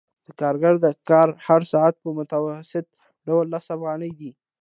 د کارګر د کار هر ساعت په متوسط ډول لس افغانۍ دی